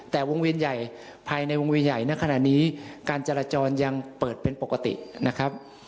แต่วงเวียนใหญ่ภายในวงเวียนใหญ่ณขณะนี้การจราจรยังเปิดเป็นปกตินะครับ